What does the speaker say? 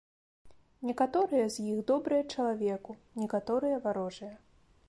Некаторыя з іх добрыя чалавеку, некаторыя варожыя.